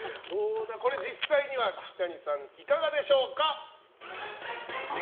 実際には岸谷さんいかがでしょうか。